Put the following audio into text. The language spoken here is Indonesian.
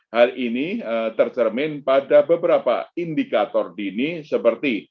hal ini tercermin pada beberapa indikator dini seperti